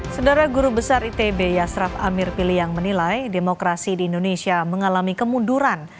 saudara guru besar itb yasraf amir piliang menilai demokrasi di indonesia mengalami kemunduran